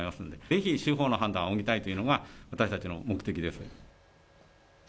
ぜひ司法の判断を仰ぎたいというのが私たちの目的です。